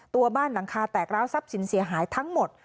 ตัวบ้านหลังคาแตกร้าวทรัพย์สินเสียหายทั้งหมด